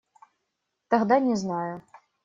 Тогда не знаю.